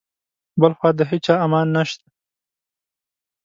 بل خواته د هیچا امان نشته.